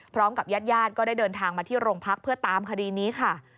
พร้อมกับญาติญาติก็ได้เดินทางมาที่โรงพักเพื่อตามคดีนี้ค่ะ